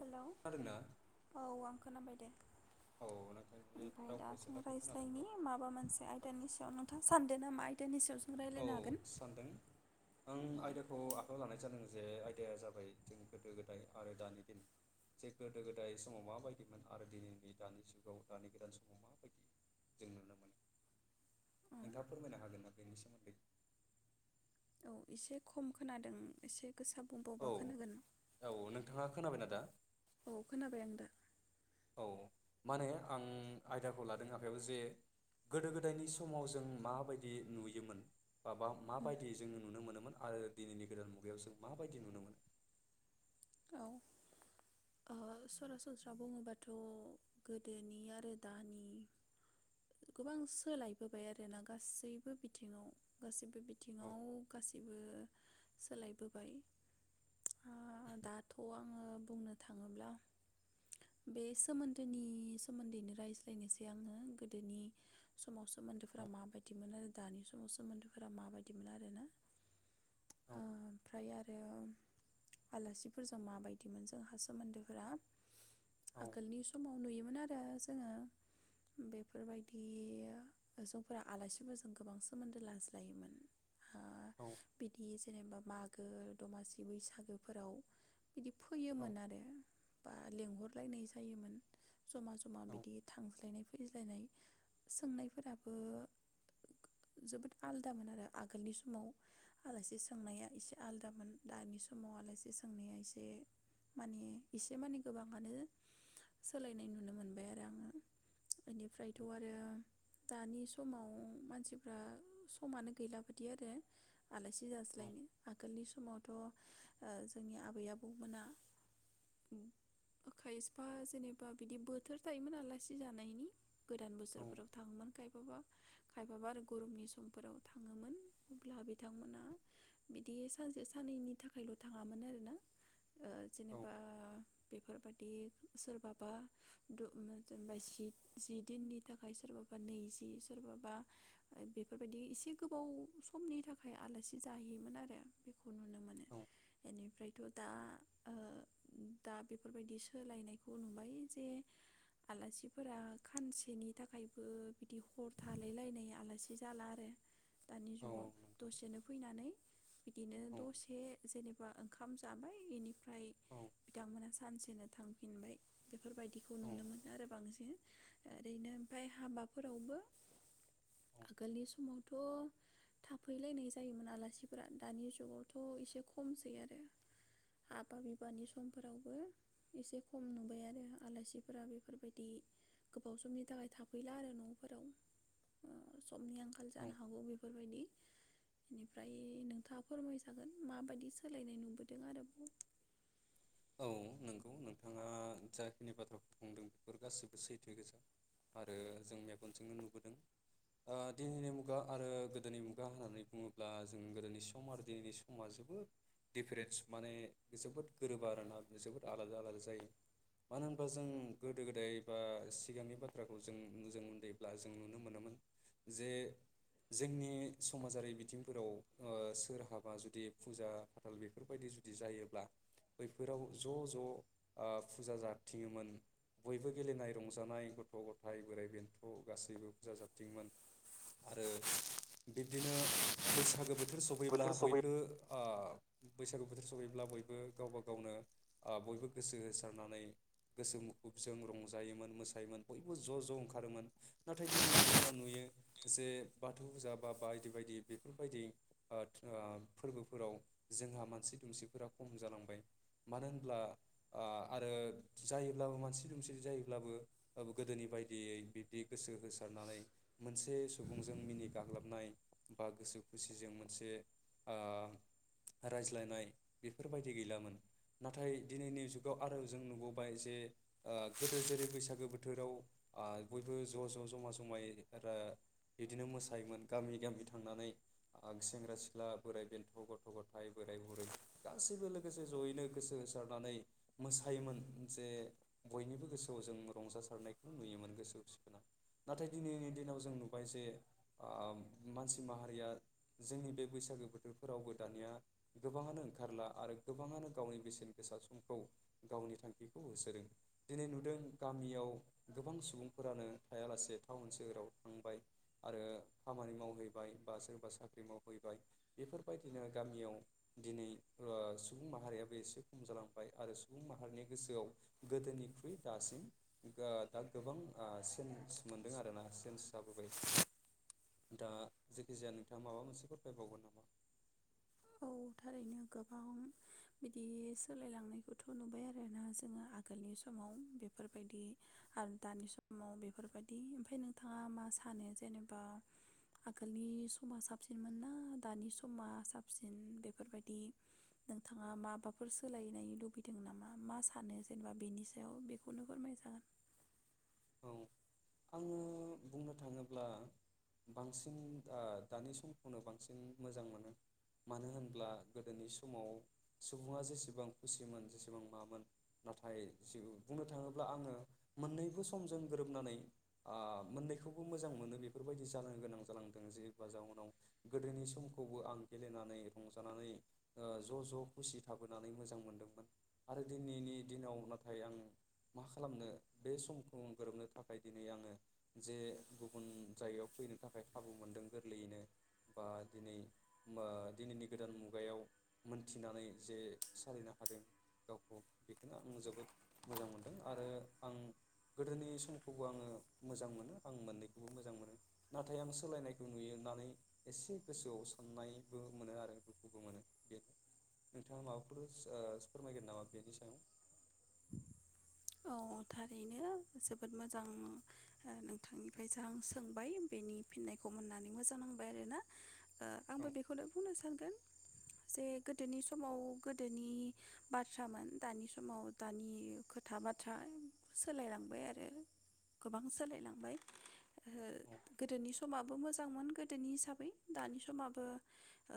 Hello खोनादोंना औ आं खोनाबाय दे। औ नोंथांनि ओमफ्राय रावखौ एसे दसिम लाखै खोनादों र' रायज्लायनि माबा मोनसे आयदानि सायाव नोंथाङा सानदों ना मा आयदानि सायाव जों औ रायज्लायनो हागोन सानदों, आं औ आयदाखौ आखाइायाव लानाय ज जे आयदाया जाबाय जों गोदो गोदाय आरो दानि दिन जे गोदो गोदाय समाव माबायदिमोन आरो दिनैनि दानि जुगाव दानि गोदान समाव माबायदि, जों नुनो मोनो नोंथाङा औ फोरमायनो हागोन ना बेनि सोमोन्दै? औ एसे खम खोनादों एसे गोसा औ बुंबावबा, खोनागोन औ नोंथाङा खोनाबायना दा? औ खोनाबाय, आं दा औ माने आं आयदाखौ लादों आखायाव जे गोदो गोदायनि समाव जों माबायदि नुयोमोन बाबा माबायदि जोङो नुनो मोनो आरो दिनैनि गोदान मुगायाव जों माबायदि नुनो मोनो? औ सरासनस्रा बुङोबाथ गोदोनि आरो दानि गोबां सोलायबोबाय आरोना गासैबो बिथिङाव गासैबो बि औ बिथिङाव गासिबो सोलायबोबाय आ दाथ आङो बुंनो थाङोब्ला बे सोमोन्दोनि सोमोन्दैनो रायज्लायनोसै आङो गोदोनि समाव सोमोन्दोफोरा औ माबायदिमोन आरो दानि समाव सोमोन्दोफोरा माबायदिमोन आरोना। औ ओमफ्राय आरो आलासि फोरजों माबायदिमोन जोंहा सोमोन्दोफोरा औ आगोलनि समाव नुयोमोन आरो जोङो बेफोरबायदि जफोरा आलासिफोरजों गोबां सोमोन्दो लाज्लायोमोन। आ औ बिदि जेनेबा माग गो दमासि बैसागोफोराव बिदि औ फोयोमोन आरो ओ लेंहरलायनाय जायोमोन जमा जमा औ बिदि थांज्लायनाय फैज्लायनाय सोंनायफोराबो जोबोद आलदामोन आरो आगोलनि समाव आलासि सोंनाया एसे आलदामोन दानि समाव आलासि सोंनाया एसे माने एसे माने गोबाङानो सोलायनाय नुनो मोनबाय आरो आङो। इनिफ्रायथ आरो दानि समाव मानसिफ्रा समानो गैला बिदि आरो आलासि औ जास्लायनो आगोलनि स मावथ ओ जोंनि आबै आबौमोना खायफा जेनेबा बिदि बोथोर थायोमोन आलासि जानायनि। गोदान बोसोरफोराव थाङोमोन खायफाबा खायफाबा आरो गरमनि समफोराव थाङोमोन अब्ला बिथांमोना बिदि सानसे सान्नैनि थाखायल' थाङामोन आरोना ओ जेनेबा बेफोर बेबादि सोरबाबा दु-ओम जेनेबा जि दिननि थाखाय सोरबाबा नैजि सोरबाबा बेफोरबायदि एसे गोबाव समनि थाखाय आलासि जाहैयोमोन आरो बेखौ नुनो इनिफ्रायथ' दा ओ दा बेफोरबायदि सोलायनायखौ नुबाय जे आलासिफोरा खानसेनि थाखायबो बिदि हर थालायलायनाय आलासि जाला आरो दानि जुगाव दसेनो फैनानै बिदिनो दसे जेने बा ओंखाम जाबाय इनिफ्राय औ बिथांमोनहा सानसेनो थांफिनबाय बेफोरबायदिखौ औ नंगौ औ नुनो मोनो आरो बांसिन ओरैनो ओमफाय हाबाफोरावबो आगोलनि समावथ' थाफैलायनाय जायोमोन आलासिफोरा दानि जुगावथ' एसे खम खमसै आरो हाबा बिबानि समफोरावबो एसे खम नुबाय आरो आलासिफोरा बेफोरबायदि गोबाव समनि थाखाय थाफैला आरो नफोराव ओ समनि आंखाल जानो औ हागौ बेफोरबायदि इनिफ्राय नोंथाङा फोरमायजागोन माबायदि सोलायनाय नुबोदों आरोबाव। औ नंगौ नोंथाङा जाखिनि बाथ्राखौ बुंदों बेफोर गासैबो सैथो गोजा आरो जों मेगनजोंनो नुबोदों ओ दिनैनि मुगा आरो गोदोनि मुगा होननानै बुङोब्ला जों गोदोनि सम आरो दिनैनि समा जोबोद दिफारेन्स माने जोबोद गोरोब बा आरोना जोबोद आलादा आलादा जायो मानो होनबा जों गोदो गोदाय बा सिगांनि बाथ्राखौ जों मुजां मोनदोंब्ला जों नुनो मोनोमोन जे जोंनि समाजारि बिथिंफोराव ओ सोरहाबा जुदि फुजा फाथाल बेफोरबायदि जुदि जायोब्ला बैफोराव ज' ज' ओ फुजा जाबथिङोमोन बयबो गेलेनाय रंजानाय गथ' ग'थाय बोराइ बेन्थ' गासैबो फुजा जाथिङोमोन आरो बिब्दिनो बैसागो बो थोर सौफैब्ला बोथोर सफै बयबो ओ बैसागु बोथोर सफैब्ला बयबो गावबा गाव नो ओ बयबो गोसो होसारनानै गोसो मुखुबजों रंजायोमोन मोसायोमोन बयबो ज'ज'ओंखारोमोन। नाथाय दिनैनि दिनाव नुयो जे बाथौ फुजा बा बायदि बायदि बेफोरबायदि ओ ओ फोरबोफोराव जोंहा मानसि दुमसिफोरा खम जालांबाय मानो होनब्ला ओ आरो जायोब्लाबो मानसि दुमसि जायोब्लाबो गोदोनि बायदियै बिब्दि गोसो होसारनानै मोनसे सुबुंजों मिनि गाग्लोबनाय बा गोसो खुसिजों मोनसे ओ रायज्लायनाय बेफोरबायदि गैलामोन नाथाय दिनैनि जुगाव आरो जों नुबोबाय जे ओ गोदो जेरै बैसागो बोथोराव ओ बयबो ज' ज' जमा जमायै रा इदिनो मोसायोमोन गामि गामि थांनानै ओ सेंग्रा सिख्ला बोराइ बेन्थ' गथ' गथाय बोराय बुरै गासैबो लोगोसे जयैनो गोसो होसारनानै मोसायोमोन जे बयनिबो गोसोआव जों रंजासारनायखौ नुयोमोन गोसो खुसि गोनां। नाथाय दिनैनि दिनाव जों नुबाय जे ओ मानसि माहारिया जोंनि बे बैसागो बोथोरफोरावबो दानिया गोबाङानो ओंखारला आरो गोबाङानो गावनि बेसेन गोसा समखौ गावनि थांखिखौ होसोदों। दिनै नुदों गामियाव गोबां सुबुंफोरानो थायालासे टाउन सोहोराव थांबाय आरो खामानि मावहैबाय बा सोरबा साख्रि मावहैबाय बेफोरबायदिनो गामियाव दिनै ओ सुबुं माहारिया एसे खम जालांबाय आरो सुबुं माहारिनि गोसोआव गोदोनिख्रुइ दासिम ओ दा गोबां चेन्ज मोनदों आरोना चेन्ज जाबोबाय दा जेखिजाया नोंथाङा माबा मोनसेखौ फरायबावगोन नामा? औ थारैनो गोबां बिदि सोलायलांनायखौथ' नुबाय आरोना जोङो आगोलनि समाव बेफोरबायदि आरो दानि समाव बेफोरबायदि ओमफ्राय नोंथाङा मा सानो जेनेबा आगोलनि समा साबसिनमोन ना दानि समा साब सिन? बेफोरबायदि नोंथाङा माबाफोर सोलायनाय लुबैदों नामा मा सानो जेनेबा बेनि सायाव बेखौनो फोरमायजागोन? औ आङो बुंनो थाङोब्ला बांसिन ओ दानि समखौनो बांसिन मोजां मोनो मानो होनब्ला गोदोनि समाव सुबुङा जेसेबां खुसिमोन जेसेबां मामोन नाथाय जि बुंनो थाङोब्ला आङो मोननैबो स समजों गोरोबनानै ओ मोननैखौबो मोजां मोनो बेफोरबायदि जानो गोनां जालांदों जेबा जउनाव गोदोनि समखौबो आं गेलेनानै रंजानानै ओ ज'ज' खुसि थाबोनानै मोजां मोनदोंमोन आरो दिनैनि दिनाव नाथाय आं मा खालामनो बे सम खौ गोरोबनो थाखाय दिनै आङो जे गुबुन जायगायाव फैनो थाखाय खाबु मोनदों गोरलैयैनो बा दिनै ओ दिनैनि गोदान मुगायाव मोनथिनानै जे सलिनो हादों गावखौ बेखौनो आं जोबोद मोजां मोनदों आरो आं गोदोनि समखौबो आङो मोजां मोनो आं मोननैखौबो मोजां मोनो नाथाय आं सोलायनायखौ नुयोनानै एसे गोसोआव साननायबो मोनो आरो दुखुबो मोनो बेनो नोंथाङा माबाफोरस ओ फोरमायगोन नामा बेनि सायाव? अ थारैनो जोबोद मोजां ओ नोंथांनिफ्रायसो आं सोंबाय बेनि फिननायखौ मोननानै मोजां नांबाय आरोना। ओ औ आंबो बेखौनो बुंनो सानगोन जे गोदोनि समाव गोदोनि बाथ्रामोन दानि समाव दानि खो था बाथ्रा सोलायलांबाय आरो गोबां सोलायलांबाय ओ औ गोदोनि समाबो मोजांमोन गोदोनि हिसाबै दानि समाबो ओ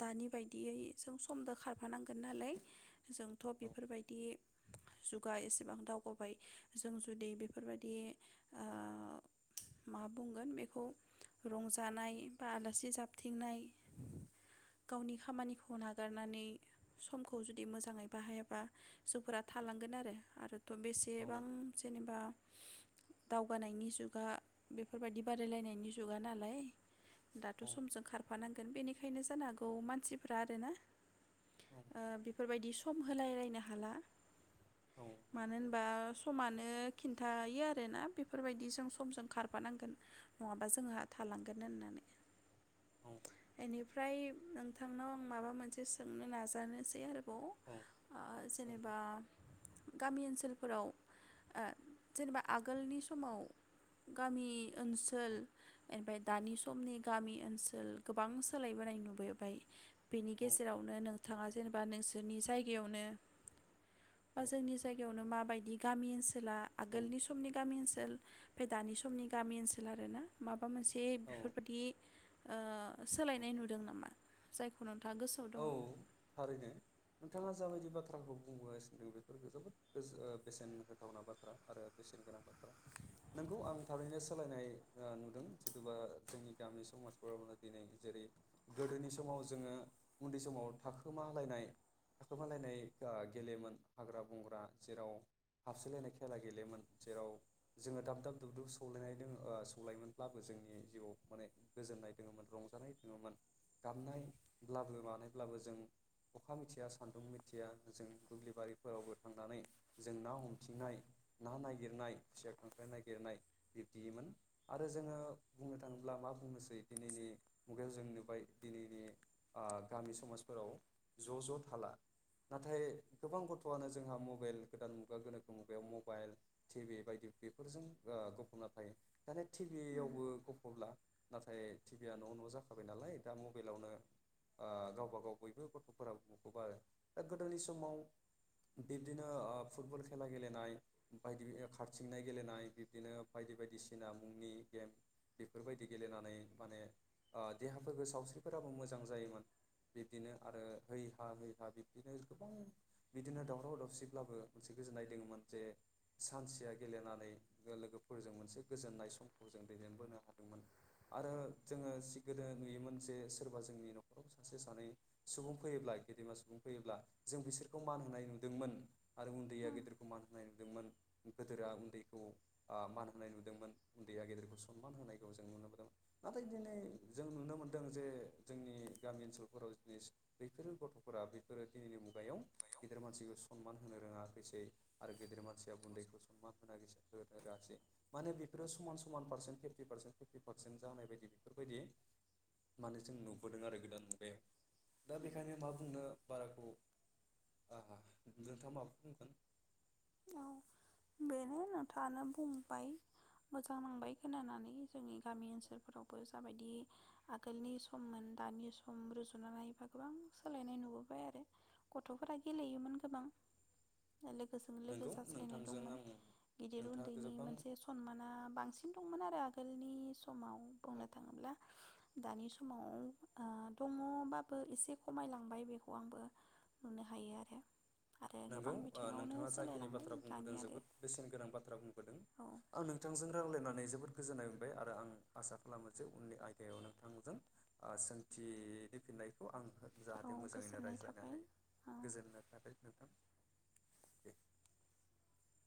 दानि बायदियै जों समजों खारफानांगोन नालाय जोंथ' बेफोरबायदि जुगा एसेबां दावगाबाय जों जुदि बेफोरबायदि ओ मा बुंगोन बेखौ रंजानाय बा आलासि जाबथिंनाय गावनि खामानिखौ नागारनानै समखौ जुदि मोजाङै बाहायाबा जोंफोरा थालांगोन आरो आरो थ औ बेसेबां जेनेबा दावगानायनि जुगा बेफोरबायदि बादायलायनायनि जुगा नालाय दाथ' औ समजों खारफानांगोन बेनिखायनो जानो हागौ मानसिफ्रा आरोना औ ओ बेफोरबायदि सम होलायलायनो हाला औ मानो नंगौ होनबा समानो खिन्थायो आरोना बेफोरबायदि जों समजों खारफानांगोन नङाबा जोंहा थालांगोन होननानै। एनि फ्राय नोंथांनाव आं माबा मोनसे सोंनो नाजानोसै आरो खौ औ ओ जेनेबा सोंदों बा गामि ओनसो ओनसोलफोराव ओ जेनेबा आगोलनि समाव गामि ओनसोल औ एनिफ्राय दानि समनि गामि ओनसोल गोबां सोलायबोनाय नुबोबाय बेनि औ गेजेरावनो नोंथाङा जेनेबा नोंसोरनि जायगायावनो बा औ जोंनि जायगायावनो माबायदि गामि ओनसो सोला औ आगोलनि समनि गामि ओनसोल ओमफाय दानि समनि गामि ओनसोल आरो ना माब बा मोनसे औ बेफोरबायदि ओ औ सोलायनाय नुदों नामा जायखौ नों औ थारैनो नोंथाङा जाबायदि बा थ्राखौ बुंबोगासिनो दं बेफोर जोबोद गो बेसेन होथावना बाथ्रा आरो बेसेन गोनां बाथ्रा नोंगौ आं थारैनो सोलायनाय नुदों जथबा जोंनि गामि समाजफोरावनो दिनै जेरै गोदोनि समाव जोङो उन्दै समाव थाखोमालायनाय थाखोमालायनाय ओ गेलेयोमोन हाग्रा बंग्रा जेराव हाबसोलायनाय खेला गेलेयोमोन जेराव जोङो दाब दाब दुब दुब सौलायनाय दं सौलायोमोनब्लाबो जोंनि जिउआव माने गोजोननाय दङोमोन रंजानाय दोङोमोन गाबनायब्लाबो मानायब्लाबो जों अखा मिथिया सान्दुं मिथिया जों दुब्लिबारिफोरावबो थांनानै जों ना हमथिंनाय ना नागिरनाय, खुसिया, खांख्राइ नागिरनाय बिब्दिमोन आरो जोङो बुंनो थाङोब्ला मा बुंनोसै दिनैनि मुगायाव जों नुबाय दिनैनि ओ गामि समाजफोराव ज' ज' थाला नाथाय गोबां गथ'आनो जोंहा मबाइल गोदान मुगा गोनोखो मुगायाव मबाइल टि भि बायदि बेफोरजों गफुंना थायो। माने टि भियावबो गफबला नाथाय टि भिया न' न' जाखाबाय नालाय दा मबाइलावनो ओ गावबा गाव बयबो गथ'फोरा मखुब आरो। दा गोदोनि समाव बिब्दिनो ओ फुटबल खेला गेलेनाय बायदि खारथिंनाय गेलेनाय बिब्दिनो बायदि बायदिसिना मुंनि गेम बेफोरबायदि गेलेनानै माने देहाफोरखौ सावस्रिफोराबो मोजां जायोमोन। बिब्दिनो आरो हैै हा हैै हा बिब्दिनो गोबां बिदिनो दावराव दावसिब्लाबो मोनसे गोजोननाय दङोमोन जे सानसेया गेलेनानै लोगोफोरजों मोनसे गोजोननाय समखौ जों दैदेनबोनो हादोंमोन आरो जोङो सि‌ गोदो नुयोमोन जे सोरबा जोंनि नखर फोराव सासे सानै सुबुं फैयोब्ला गेदेमा सुबुं फैयोब्ला जों बिसोरखौ मान होनाय नुदोंमोन आरो उन्दैया गेदिरखौ मान होनाय नुदोंमोन गोदोरा उन्दैखौ मान होनाय नुदोंमोन उन्दैया गेदिरखौ सनमान होनायखौ जों नुनो मोनदोंमोन नाथाय दिनै जों नुनो मोन्दों जे जोंनि गामि ओनसोलफोराव दिनै बैफोरो गथ'फोरा बेफोरो दिनैनि मुगायाव गिदिर मानसिखौ सनमान होनो रोङाखैसै आरो गेदिर मानसिया उन्दैखौ सनमान होनो रोङासै माने बेफोरो समान समान percent fifty percent fifty percent जानाय बायदि बेफोरबायदि माने जों नुबोदों आरो गोद दान मुगायाव। दा बेखायनो मा बुंनो बाराखौ नोंथाङा माबा बुंगोन? औ बेनो नोंथाङानो बुंबाय मोजां नांबाय खोनानानै जोंनि गामि ओनसोलफोरावबो जाबायदि आगोलनि सममोन दानि सम रुजुनानै बा गोबां सोलायनाय नुबोबाय आरो गथफोरा गेलेयोमोन गोबां लोगो लोगो नोंगौ जास्लायनाय नोंथांजों दंमोन आं गिदिर नोंथाङा उन्दैनि गोबां मोनसे सनमाना बांसिन दंमोन आरो आगोल समाव औ बुंनो थाङोब्ला दानि समाव ओ दङबाबो एसे खमायलांबाय बेखौ आंबो नुनो हायो आरो। आरो नोंगौ गोबां ओ बिथिङावनो नोंथाङा जाखि खिनि सोलायलांबाय बाथ्रा दानि बुंबोदों आरो जोबोद बेसेन गोनां बाथ्रा बुंबोदों औ आं नोंथांजों राव रायलायनानै जोबोद गोजोननाय मोनबाय आरो आं आसा खालामो जे उननि आयदायाव नोंथांमोनजों सोंथिफिननायखौ आं हो औ जाहाथे मोजाङैनो गोजोननाय रायज्लायनो थाबाय। हायो गोजोननाय थाबाय नोंथां। [inaudible]